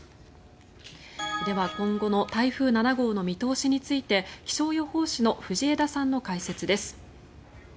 では、今後の台風７号の見通しについて気象予報士の藤枝さんの解説です。